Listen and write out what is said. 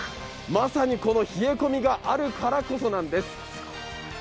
まさにこの冷え込みがあるからこそなんです。